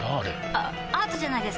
あアートじゃないですか？